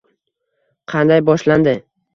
Qanday boshlandi?